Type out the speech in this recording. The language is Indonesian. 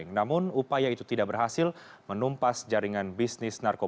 indahnya itu berada menjadi yang kita yakidity rasa